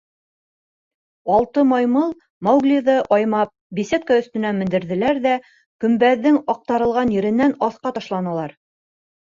Алты маймыл, Мауглиҙы аймап, беседка өҫтөнә мендерҙеләр ҙә көмбәҙҙең аҡтарылған еренән аҫҡа ташланылар.